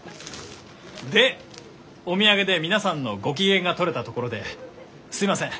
でお土産で皆さんのご機嫌が取れたところですいません